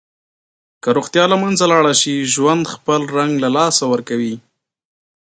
که روغتیا له منځه لاړه شي، ژوند خپل رنګ له لاسه ورکوي.